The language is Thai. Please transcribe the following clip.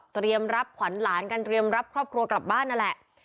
เตรียมรับขวัญหลานกันเตรียมรับครอบครัวกลับบ้านนั่นแหละ